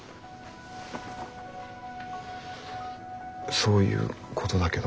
そういうことだけど。